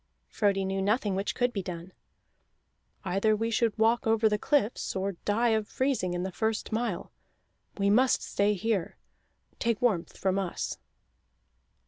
Frodi knew nothing which could be done. "Either we should walk over the cliffs, or die of freezing in the first mile. We must stay here. Take warmth from us."